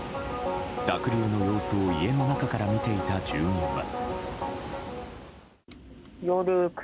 濁流の様子を家の中から見ていた住民は。